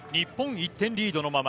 １点リードのまま。